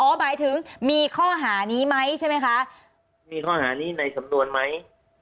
หมายถึงมีข้อหานี้ไหมใช่ไหมคะมีข้อหานี้ในสำนวนไหม